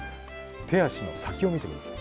手足の先を見てください。